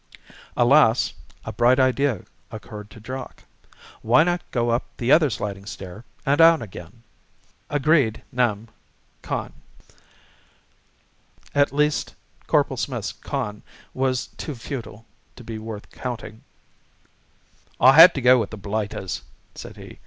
Alas, a bright idea occurred to Jock. Why not go up the other sliding stair and down again? Agreed, nem. con. At least, Corporal Smith's con. was too futile to be worth counting. "I had to go with the blighters," said he.